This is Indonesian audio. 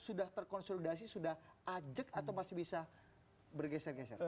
sudah terkonsolidasi sudah ajak atau masih bisa bergeser geser